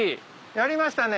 やりましたね。